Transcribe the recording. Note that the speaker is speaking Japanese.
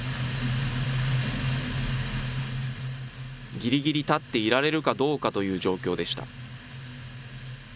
ぎりぎり立っていられるかどうかという状況でした。